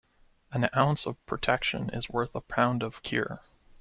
An ounce of protection is worth a pound of cure.